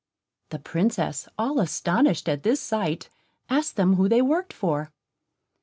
The Princess, all astonished at this sight, asked them who they worked for.